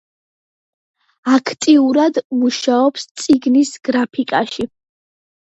აქტიურად მუშაობს წიგნის გრაფიკაში.